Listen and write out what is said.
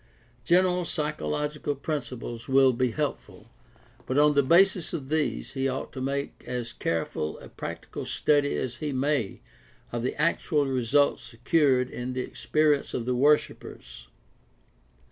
General psychological principles will be help ful, but on the basis of these he ought to make as careful a practical study as he may of the actual results secured in the experience of the worshipers.